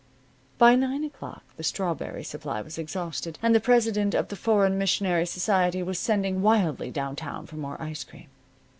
By nine o'clock the strawberry supply was exhausted, and the president of the Foreign Missionary Society was sending wildly down town for more ice cream.